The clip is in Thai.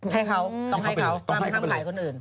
ให้เขาต้องให้เขาต้องให้เขาไปไหลคนอื่น